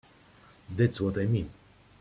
That's what I mean.